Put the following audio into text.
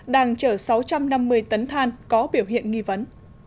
đang chở sáu trăm năm mươi tấn than có biểu hiện nghi vấn